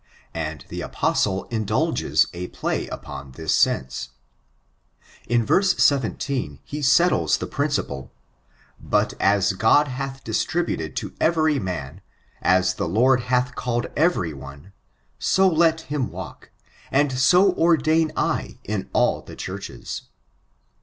And the Apostle indulges a play upon this sense. 1^^^^^^^ ON ABOLITIONISM. 585 In verse 17, he settles the piinciple: But as God hath distributed to every man, as the Lord hath called every one, 90 let Am walk. And so ordain I in all the churches."